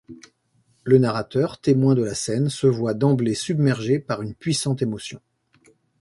Le narrateur, témoin de la scène, se voit d'emblée submergé par une puissante émotion.